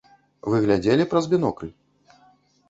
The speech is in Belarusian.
Вы глядзелі праз бінокль?